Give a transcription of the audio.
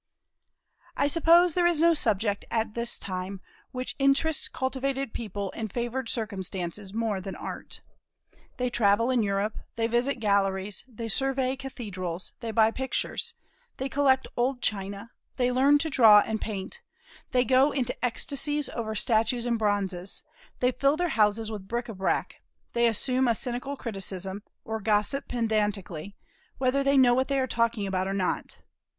I suppose there is no subject, at this time, which interests cultivated people in favored circumstances more than Art. They travel in Europe, they visit galleries, they survey cathedrals, they buy pictures, they collect old china, they learn to draw and paint, they go into ecstasies over statues and bronzes, they fill their houses with bric á brac, they assume a cynical criticism, or gossip pedantically, whether they know what they are talking about or not.